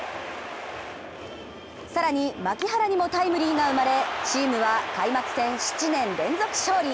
更に牧原にもタイムリーが生まれチームは開幕戦７年連続勝利。